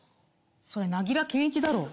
それなぎら健壱だろ。